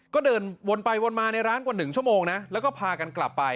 ก็เดินวนไปวนมาในร้านกว่า๑ชั่วโมงนะแล้วก็พากันกลับไป